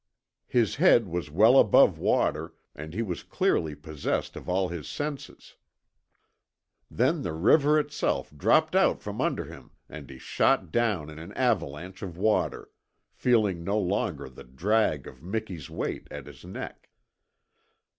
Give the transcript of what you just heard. His head was well above water and he was clearly possessed of all his senses. Then the river itself dropped out from under him and he shot down in an avalanche of water, feeling no longer the drag of Miki's weight at his neck.